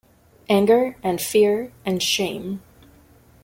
Anger, and fear, and shame.